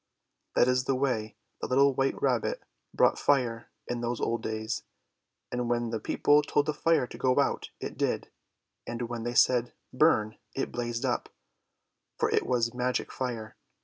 That is the way the little white Rabbit brought Fire in those old days. And when the people told the Fire to go out, it did; and when they said, "Burn," it blazed up; for it was Magic Fire.